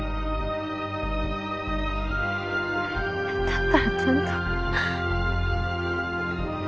だったらちゃんと。